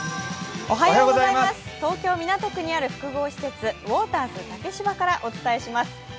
東京・港区にある複合施設、ウォーターズ竹芝からお伝えします。